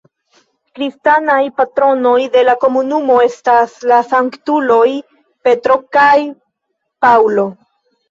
Kristanaj patronoj de la komunumo estas la sanktuloj Petro kaj Paŭlo.